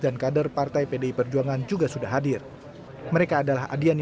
salah satu alasan kita melukai mas bobi di dalam perikadanya ini